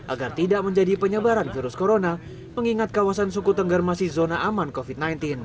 agar tidak menjadi penyebaran virus corona mengingat kawasan suku tenggar masih zona aman covid sembilan belas